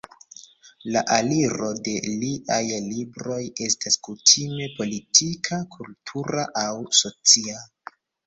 La aliro de liaj libroj estas kutime politika, kultura, aŭ socia.